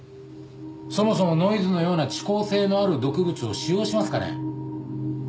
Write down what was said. そもそもノイズのような遅効性のある毒物を使用しますかね？